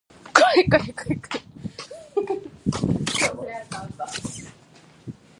The line runs north, under the Dallas Convention Center and through downtown Dallas.